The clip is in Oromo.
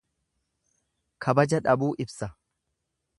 Kabaja dhabuu ibsa.